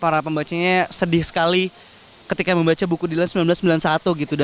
para pembacanya sedih sekali ketika membaca buku dilan seribu sembilan ratus sembilan puluh satu gitu